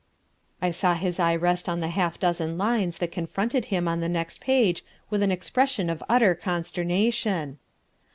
I saw his eye rest on the half dozen lines that confronted him on the next page with an expression of utter consternation.